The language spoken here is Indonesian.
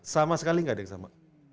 sama sekali nggak ada yang sama